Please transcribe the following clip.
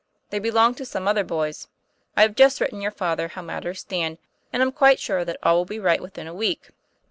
They belonged to some other boy's. I have just written your father how matters stand, and I'm quite sure that all will be right within a week."